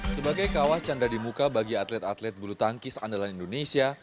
sebagai kawah canda di muka bagi atlet atlet bulu tangkis andalan indonesia